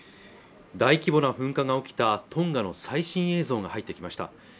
大規模な噴火が起きたトンガの最新映像が入ってきました